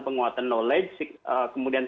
penguatan knowledge kemudian